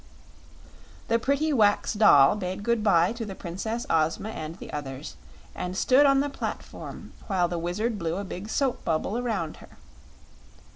The pretty wax doll bade good bye to the Princess Ozma and the others and stood on the platform while the Wizard blew a big soap bubble around her.